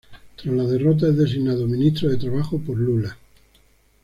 Tras la derrota es designado ministro de Trabajo por Lula.